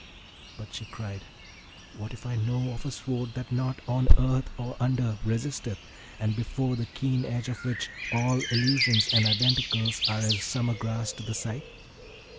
But she cried, 'What if I know of a sword that nought on earth or under resisteth, and before the keen edge of which all Illusions and Identicals are as summer grass to the scythe?'